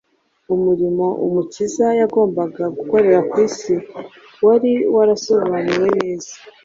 Umurimo Umukiza yagombaga gukorera ku isi wari warasobanuwe neza: